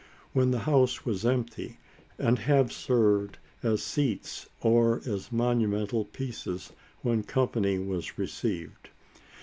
when the house was empty, and have served as seats or as "monumental" pieces when company was received.